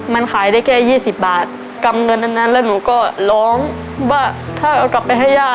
มันขายได้แค่ยี่สิบบาทกำเงินอันนั้นแล้วหนูก็ร้องว่าถ้าเอากลับไปให้ย่า